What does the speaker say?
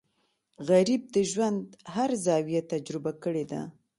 غریب د ژوند هر زاویه تجربه کړې ده